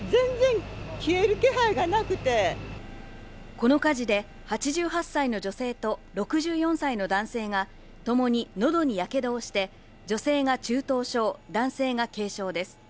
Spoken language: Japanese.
この火事で８８歳の女性と６４歳の男性がともにのどにやけどをして女性が中等症、男性が軽傷です。